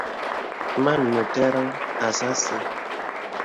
Mān mə tə̀rən asà asə́.